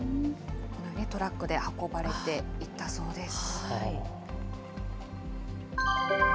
トラックで運ばれていったそうです。